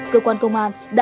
cơ quan công an đã